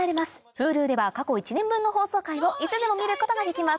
Ｈｕｌｕでは過去１年分の放送回をいつでも見ることができます